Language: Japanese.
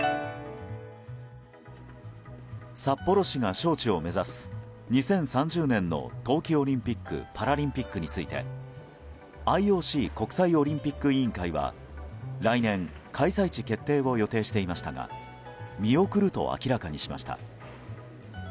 札幌市が招致を目指す２０３０年の冬季オリンピック・パラリンピックについてＩＯＣ・国際オリンピック委員会は来年、開催地決定を予定していましたが見送ると明らかにしました。